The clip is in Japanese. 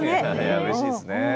うれしいですね。